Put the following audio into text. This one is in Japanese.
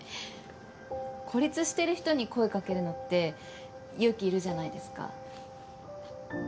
孤立してる人に声掛けるのって勇気いるじゃないですか。